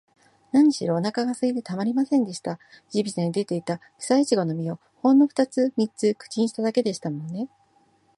なにしろ、おなかがすいてたまりませんでした。地びたに出ていた、くさいちごの実を、ほんのふたつ三つ口にしただけでしたものね。